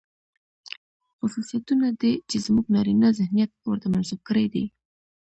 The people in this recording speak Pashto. خصوصيتونه دي، چې زموږ نارينه ذهنيت ورته منسوب کړي دي.